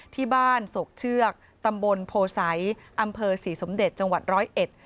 ที่บ้านศกเชือกตำบลโพศัยอำเภอ๔สมเด็จจังหวัด๑๐๑